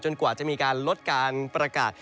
กว่าจะมีการลดการประกาศ